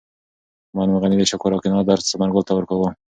معلم غني د شکر او قناعت درس ثمرګل ته ورکاوه.